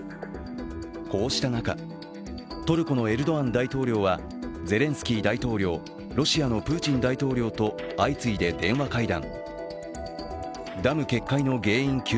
こうした中、トルコのエルドアン大統領はゼレンスキー大統領、ロシアのプーチン大統領と相次いで電話会談。